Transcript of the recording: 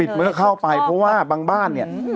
ปิดเมื่อเข้าไปเพราะว่าบางบ้านเนี่ย